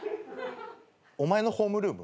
お前のホームルーム？